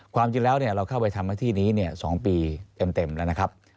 ความจริงแล้วเนี่ยเราเข้าไปทำมาที่นี้เนี่ย๒ปีเต็มแล้วนะครับ